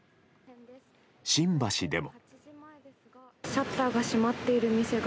新橋でも。